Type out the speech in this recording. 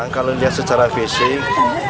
kalau dilihat secara fisik